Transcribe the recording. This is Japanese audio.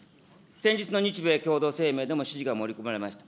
先日の日米共同声明でも支持が盛り込まれました。